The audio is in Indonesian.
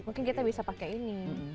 mungkin kita bisa pakai ini